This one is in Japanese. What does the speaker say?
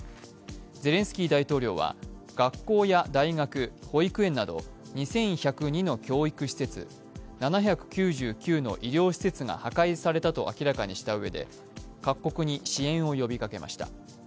ゼレンスキー大統領は学校や大学保育園など２１０２の教育施設７９９の医療施設が破壊されたと明らかにしたうえで、各国に支援を呼びかけました。